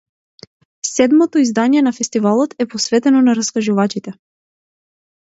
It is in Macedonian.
Седмото издание на фестивалот е посветено на раскажувачите.